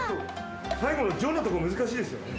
最後の「薯」のとこ難しいですよね。